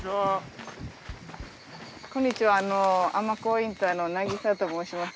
こんにちは尼神インターの渚と申します。